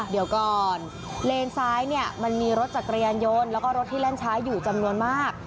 เดี๋ยวก่อนเลนซ้ายเนี่ยมันมีรถจักรยานยนต์แล้วก็รถที่เล่นช้าอยู่จำนวนมาก